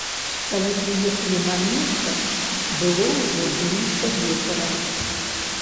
Калі прыехалі на месца, было ўжо блізка вечара.